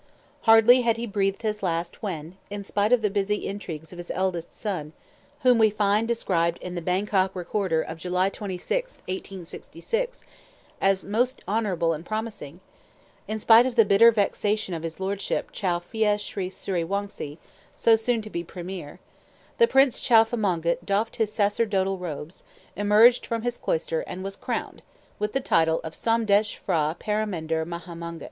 Hardly had he breathed his last when, in spite of the busy intrigues of his eldest son (whom we find described in the Bangkok Recorder of July 26, 1866, as "most honorable and promising"), in spite of the bitter vexation of his lordship Chow Phya Sri Sury Wongse, so soon to be premier, the prince Chowfa Mongkut doffed his sacerdotal robes, emerged from his cloister, and was crowned, with the title of Somdetch Phra Paramendr Maha Mongkut.